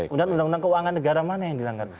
kemudian undang undang keuangan negara mana yang dilanggar